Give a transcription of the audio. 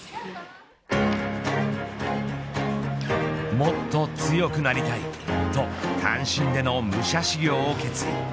もっと強くなりたい、と単身での武者修行を決意。